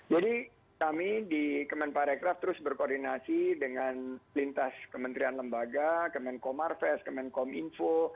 jadi kami di kemenparecraft terus berkoordinasi dengan lintas kementerian lembaga kemenkom arves kemenkom info